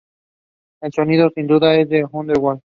El sonido es sin duda Underworld.